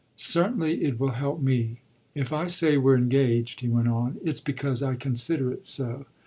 "Certainly it will help me. If I say we're engaged," he went on, "it's because I consider it so.